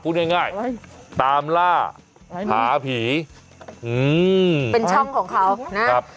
พูดง่ายง่ายอะไรตามล่าหาผีอืมเป็นช่องของเขานะครับ